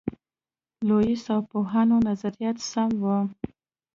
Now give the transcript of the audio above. لویس او پوهانو نظریات سم وو.